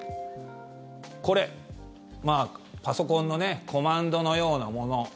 これ、パソコンのコマンドのようなもの。